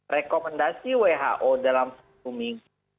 rekomendasi who dalam satu minggu